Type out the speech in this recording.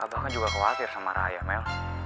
abah kan juga khawatir sama raya mel